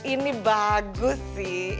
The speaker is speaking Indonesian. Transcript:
ini bagus sih